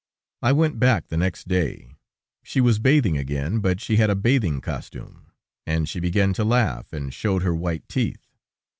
I went back the next day. She was bathing again, but she had a bathing costume, and she began to laugh, and showed her white teeth.